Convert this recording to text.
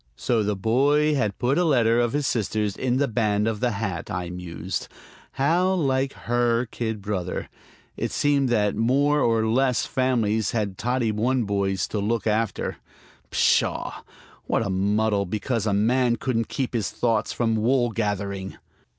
So the boy had put a letter of his sister's in the band of the hat, I mused. How like her kid brother! It seemed that more or less families had Toddy One Boys to look after. Pshaw! what a muddle because a man couldn't keep his thoughts from wool gathering!